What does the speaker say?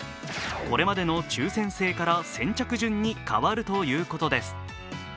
これまでの抽選制から先着順に変わるということです。